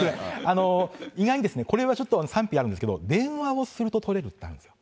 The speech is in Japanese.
意外にですね、これはちょっと賛否あるんですけど、電話をすると取れるっていうのがあるんです。